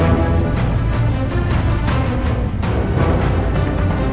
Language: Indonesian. malam ini saya ada di sebuah masjid